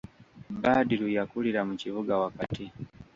Badru yakulira mu kibuga wakati.